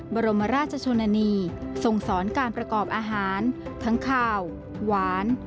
บรมราชชนนานีส่งสอนการประกอบอาหารทั้งขาวหวาน